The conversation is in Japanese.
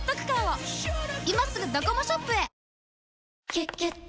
「キュキュット」